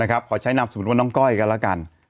ขอใช้นามสมมุติว่าน้องก้อยกันแล้วกัน